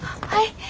はい。